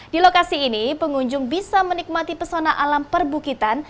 di lokasi ini pengunjung bisa menikmati pesona alam perbukitan